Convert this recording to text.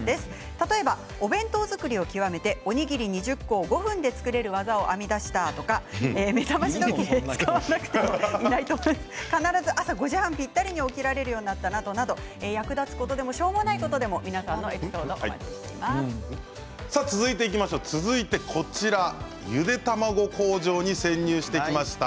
例えば、お弁当作りを極めておにぎり２０個を５分で作れる技を編み出したとか目覚まし時計を使わなくても必ず朝５時半ぴったりに起きられるようになったという役立つことでもしょうもないことでも皆さんのエピソードを続いて、ゆで卵工場に潜入してきました。